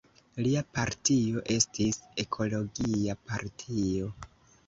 Lia partio estis Ekologia partio.